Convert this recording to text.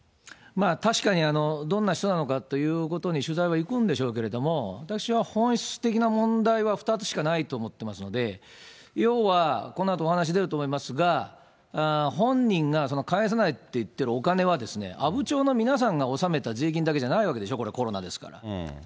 確かにどんな人なのかということに取材は行くんですけども、私は本質的な問題は、２つしかないと思ってますので、要は、このあとお話出ると思いますが、本人が返さないと言っているお金は阿武町の皆さんが納めた税金だけじゃないわけでしょ、これ、コロナですから。